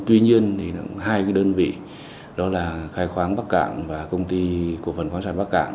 tuy nhiên hai đơn vị đó là khai khoáng bắc cảng và công ty cộng phần khoáng sản bắc cảng